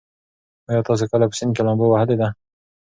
ایا تاسي کله په سیند کې لامبو وهلې ده؟